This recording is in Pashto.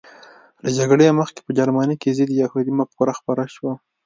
له جګړې مخکې په جرمني کې ضد یهودي مفکوره خپره شوه